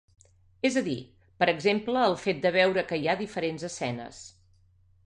És a dir, per exemple el fet de veure que hi ha diferents escenes.